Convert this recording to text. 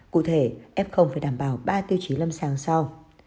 cụ thể ép không phải đảm bảo ba tiêu chí lâm sàng sau